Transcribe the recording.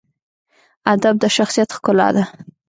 ادب د شخصیت ښکلا ده.